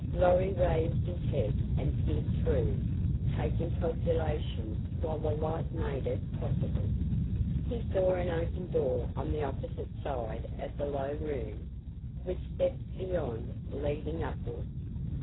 Lorry raised his head and peered through, taking calculations while the light made it possible. He saw an open door on the opposite side of the low room, with steps beyond, leading upward.